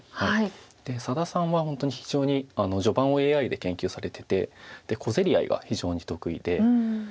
で佐田さんは本当に非常に序盤をＡＩで研究されてて小競り合いが非常に得意で。